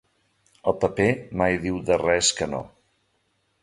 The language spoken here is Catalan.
El paper mai diu de res que no.